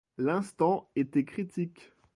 L'instant était critique.